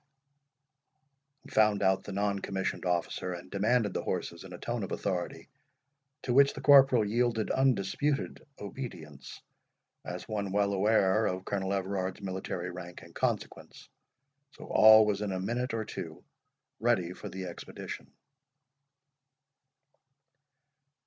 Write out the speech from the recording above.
He found out the non commissioned officer, and demanded the horses in a tone of authority, to which the corporal yielded undisputed obedience, as one well aware of Colonel Everard's military rank and consequence. So all was in a minute or two ready for the expedition.